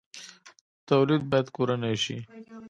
تولید باید کورنی شي